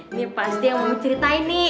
ini pasti yang mau ceritain nih